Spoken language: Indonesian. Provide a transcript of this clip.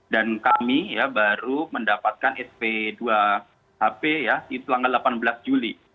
dan kami ya baru mendapatkan sp dua hp ya di tanggal delapan belas juli